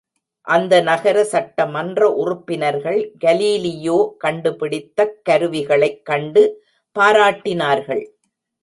அந்த நகர சட்டமன்ற உறுப்பினர்கள் கலீலியோ கண்டுபிடித்தக் கருவிகளைக் கண்டு பாராட்டினார்கள்.